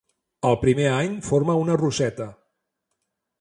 El primer any forma una roseta.